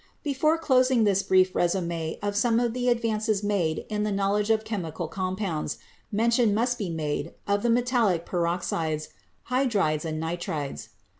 Before closing this brief resume of some of the advances made in the knowledge of chemical compounds mention must be made of the metallic peroxides, hydrides and ni trides.